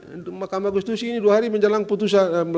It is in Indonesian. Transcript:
untuk mahkamah konstitusi ini dua hari menjelang putusan